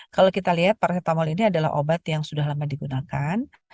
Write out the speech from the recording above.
kalau kita lihat paracetamol ini adalah obat yang sudah lama digunakan